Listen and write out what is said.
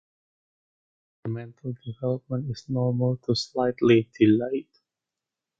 Their mental development is normal to slightly delayed.